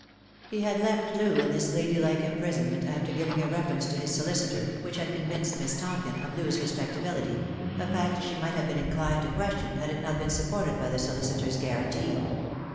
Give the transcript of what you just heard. He had left Loo in this ladylike imprisonment, after giving a reference to his solicitor, which had convinced Miss Tompion of Loo's respectability ; a fact she might have been inclined to question, had it not been supported by the solicitor's guarantee.